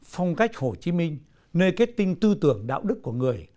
phong cách hồ chí minh nơi kết tinh tư tưởng đạo đức của người